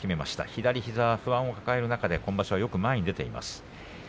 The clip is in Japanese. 左膝、不安を抱える中今場所は前によく出ています。